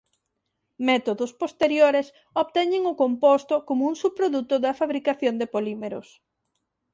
Métodos posteriores obteñen o composto como un subproduto da fabricación de polímeros.